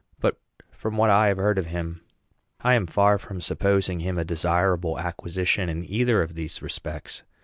But from what I have heard of him, I am far from supposing him a desirable acquisition in either of these respects.